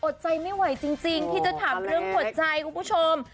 ใจไม่ไหวจริงที่จะถามเรื่องหัวใจคุณผู้ชม